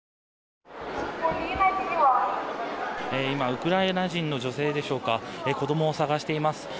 今、ウクライナ人の女性でしょうか子供を捜しています。